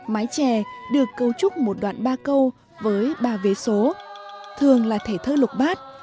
mái chè được cấu trúc một đoạn ba câu với ba vế số thường là thể thất lục bát